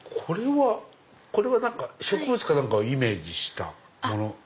これは植物か何かをイメージしたもの？